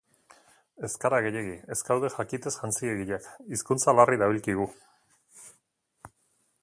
Ez gara gehiegi, ez gaude jakitez jantziegiak, hizkuntza larri dabilkigu.